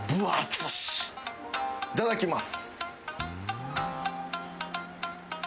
いただきます！